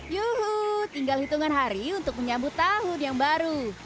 yuhuuu tinggal hitungan hari untuk menyambut tahun yang baru